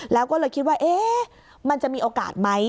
แล้วก็เลยคิดว่ามันจะมีโอกาสไหม